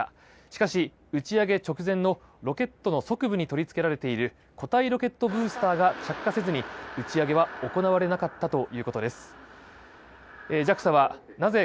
しかし打ち上げ直後のロケットの側部に取りつけられている固体燃料ブースターが着火せず打ち上げは行われなかったということです。